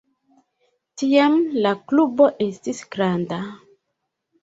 Tiam la klubo estis granda.